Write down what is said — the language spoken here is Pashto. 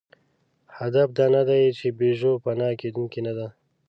هدف دا نهدی، چې پيژو فنا کېدونکې نهده.